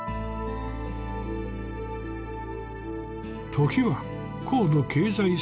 時は高度経済成長。